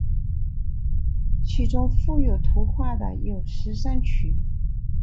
其中附有图画的有十三曲。